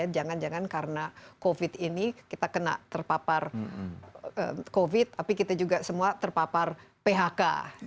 jangan jangan karena covid ini kita kena terpapar covid tapi kita juga semua terpapar phk